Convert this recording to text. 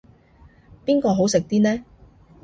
邊個好食啲呢